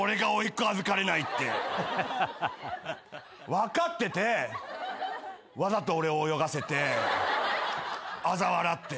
分かっててわざと俺を泳がせてあざ笑って。